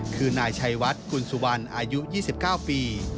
คือนายชัยวัดคุณสุวรรณอายุ๒๙ปี